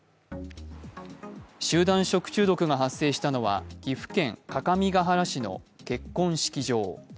集団食中毒が発生したのは岐阜県各務原市の結婚式場。